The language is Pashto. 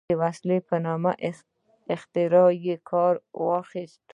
د وسلې په نوم اختراع یې کار واخیست.